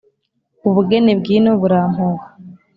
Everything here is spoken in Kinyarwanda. Ubugeni bw'ino burampuha